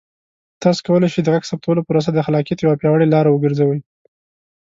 تاسو کولی شئ د غږ ثبتولو پروسه د خلاقیت یوه پیاوړې لاره وګرځوئ.